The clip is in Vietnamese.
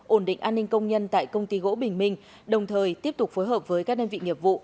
ổn định an ninh công nhân tại công ty gỗ bình minh đồng thời tiếp tục phối hợp với các đơn vị nghiệp vụ